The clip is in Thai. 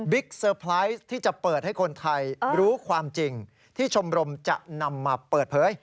เซอร์ไพรส์ที่จะเปิดให้คนไทยรู้ความจริงที่ชมรมจะนำมาเปิดเผย